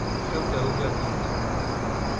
kaout da ober gant